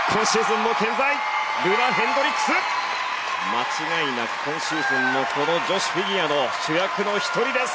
間違いなく今シーズンもこの女子フィギュアの主役の１人です！